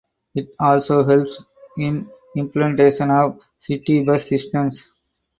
It also helps in implementation of city bus systems.